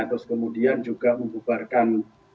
terus kemudian juga membubarkan